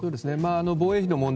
防衛費の問題